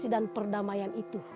bisa banget lah makam itu